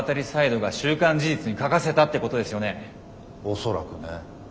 恐らくね。